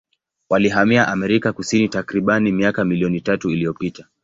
Walihamia Amerika Kusini takribani miaka milioni tatu iliyopita.